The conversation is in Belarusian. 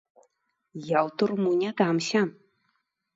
Я ў турму не дамся.